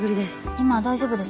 今大丈夫ですか？